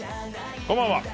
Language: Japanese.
こんばんは。